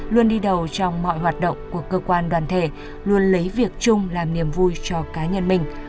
luôn đi đầu trong mọi hoạt động của cơ quan đoàn thể luôn lấy việc chung làm niềm vui cho cá nhân mình